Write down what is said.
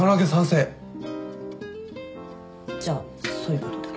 じゃそういうことで